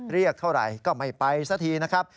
เรียกเท่าไหร่ก็ไม่ไปสักทีนะครับ